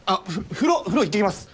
風呂風呂行ってきます。